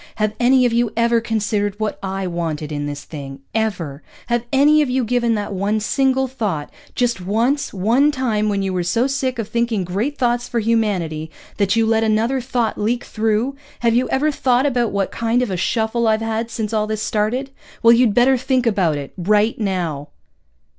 "Have any of you ever considered what I wanted in this thing? Ever? Have any of you given that one single thought, just once, one time when you were so sick of thinking great thoughts for humanity that you let another thought leak through? Have you ever thought about what kind of a shuffle I've had since all this started? Well, you'd better think about it. _Right now.